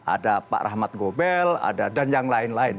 ada pak rahmat gobel dan yang lain lain